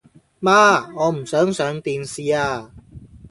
媽，我唔想上電視吖